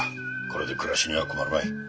これで暮らしには困るまい。